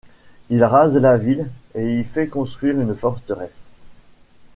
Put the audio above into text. Il rase la ville et y fait construire une forteresse.